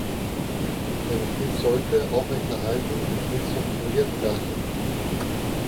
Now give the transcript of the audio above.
Der Betrieb sollte aufrechterhalten und restrukturiert werden.